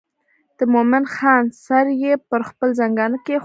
د مومن خان سر یې پر خپل زنګانه کېښود.